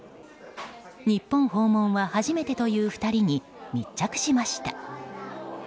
日本訪問は初めてという２人に密着しました。